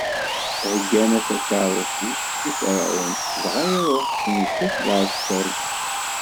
Heggan-as akeṛṛus-is i Ferɛun, dɣa iṛuḥ, s netta, s lɛeskeṛ-is.